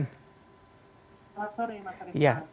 selamat sore mas harif